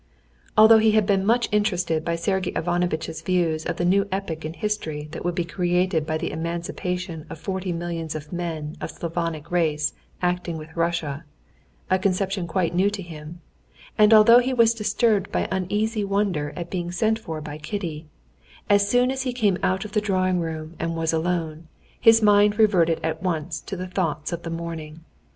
Although he had been much interested by Sergey Ivanovitch's views of the new epoch in history that would be created by the emancipation of forty millions of men of Slavonic race acting with Russia, a conception quite new to him, and although he was disturbed by uneasy wonder at being sent for by Kitty, as soon as he came out of the drawing room and was alone, his mind reverted at once to the thoughts of the morning.